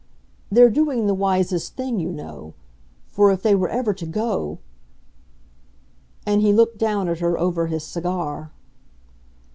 "They're doing the wisest thing, you know. For if they were ever to go !" And he looked down at her over his cigar.